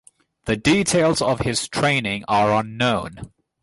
The details of his training are unknown.